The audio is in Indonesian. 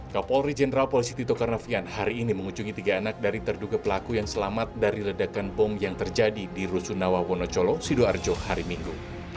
kapolri jenderal polisi tito karnavian hari ini mengunjungi tiga anak dari terduga pelaku yang selamat dari ledakan bom yang terjadi di rusunawa wonocolo sidoarjo hari minggu